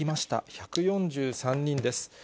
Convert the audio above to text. １４３人です。